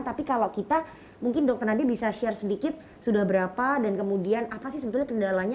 tapi kalau kita mungkin dokter nadia bisa share sedikit sudah berapa dan kemudian apa sih sebetulnya kendalanya